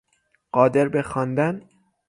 قادر به خواندن